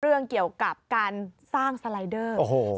เรื่องเกี่ยวกับการสร้างสไลเดอร์